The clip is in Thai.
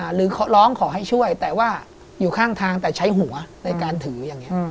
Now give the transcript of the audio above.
หรือร้องขอให้ช่วยแต่ว่าอยู่ข้างทางแต่ใช้หัวในการถืออย่างนี้